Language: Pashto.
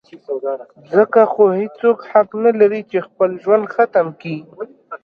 ځکه خو هېڅوک حق نه لري چې خپل ژوند ختم کي.